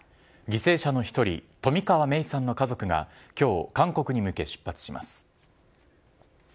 犠牲者の１人、冨川芽生さんの家族が、きょう、韓国に向け出発しました。